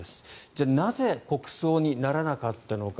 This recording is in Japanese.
じゃあ、なぜ国葬にならなかったのか。